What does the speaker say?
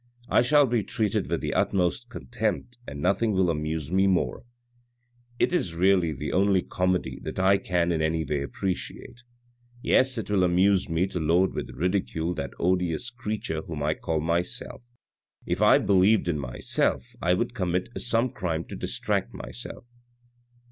I shall be treated with the utmost contempt, and nothing will amuse me more. It is really the only comedy that I can in any way appreciate. Yes, it will amuse me to load with ridicule that odious creature whom I call myself. If I believed in myself, I would commit some crime to distract myself."